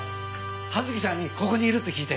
葉月ちゃんにここにいるって聞いて。